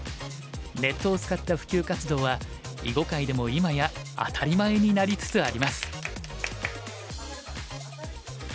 ネットを使った普及活動は囲碁界でも今や当たり前になリつつあります。